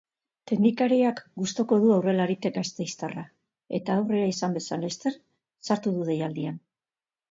Teknikariak gustuko du aurrelari gasteiztarra eta aukera izan bezain laister sartu du deialdian.